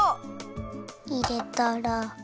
いれたら。